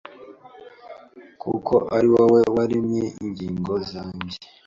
kuko ari wowe waremye ingingo zanjye